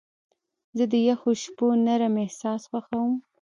زه د یخو شپو نرم احساس خوښوم.